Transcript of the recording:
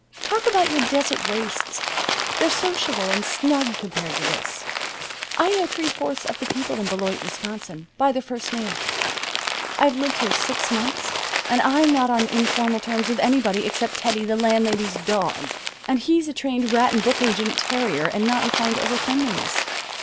Talk about your desert wastes! They're sociable and snug compared to this. I know three fourths of the people in Beloit, Wisconsin, by their first names. I've lived here six months and I'm not on informal terms with anybody except Teddy, the landlady's dog, and he's a trained rat and book agent terrier, and not inclined to overfriendliness.